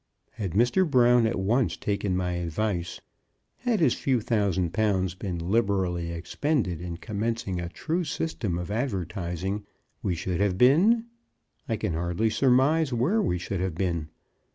Had Mr. Brown at once taken my advice, had his few thousand pounds been liberally expended in commencing a true system of advertising, we should have been, I can hardly surmise where we should have been.